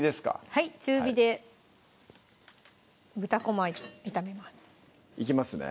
はい中火で豚こま炒めますいきますね